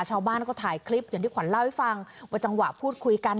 ชาวบ้านก็ถ่ายคลิปอย่างที่ขวัญเล่าให้ฟังว่าจังหวะพูดคุยกัน